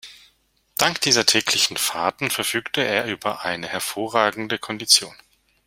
Dank dieser täglichen Fahrten verfügte er über eine hervorragende Kondition.